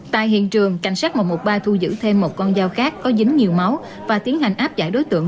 tại hiện trường cảnh sát một trăm một mươi ba thu giữ thêm một con dao khác có dính nhiều máu và tiến hành áp giải đối tượng